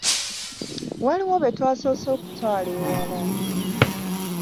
Waliwo be twasoose okutwala ewala.